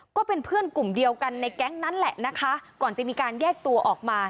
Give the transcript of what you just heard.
ก็เป็นเพื่อนกลุ่มเดียวกันในแก๊งนั้นแหละนะคะก่อนจะมีการแยกตัวออกมา